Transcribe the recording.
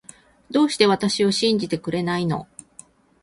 どうして私を信じてくれないの